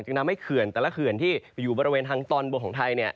ทำให้เขื่อนแต่ละเขื่อนที่อยู่บริเวณทางตอนบนของไทย